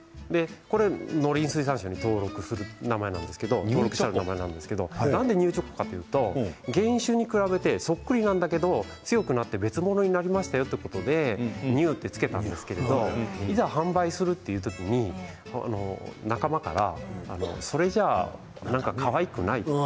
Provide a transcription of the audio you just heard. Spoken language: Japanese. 農林水産省に登録する名前なんですけどなんでニューチョコかというと原種に比べてそっくりなんだけど強くなって別のものになりましたよということでニューチョコと付けたんですがいざ販売するという時に仲間からそれじゃあなんかかわいくないと。